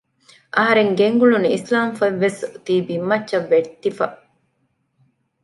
އަހަރެން ގެންގުޅުނު އިސްލާމް ފޮތްވެސް އޮތީ ބިންމައްޗަށް ވެއްތިފަ